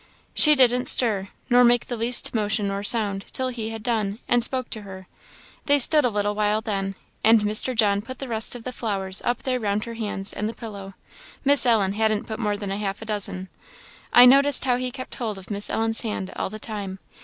"She didn't stir, nor make the least motion nor sound, till he had done, and spoke to her. They stood a little while then, and Mr. John put the rest of the flowers up there round her hands and the pillow Miss Ellen hadn't put more than half a dozen; I noticed how he kept hold of Miss Ellen's hand all the time.